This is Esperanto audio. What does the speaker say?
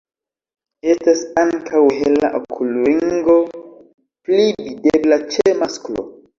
Estas ankaŭ hela okulringo, pli videbla ĉe masklo.